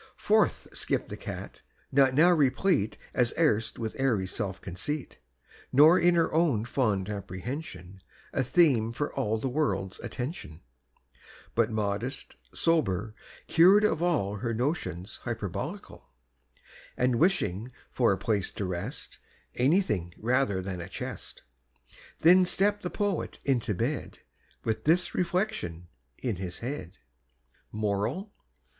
Forth skipp'd the cat, not now replete As erst with airy self conceit, Nor in her own fond apprehension A theme for all the world's attention, But modest, sober, cured of all Her notions hyperbolical, And wishing for a place of rest Any thing rather than a chest. Then stepp'd the poet into bed With this reflection in his head: MORAL.